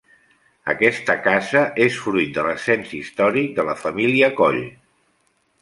Aquesta casa és fruit de l'ascens històric de la família Coll.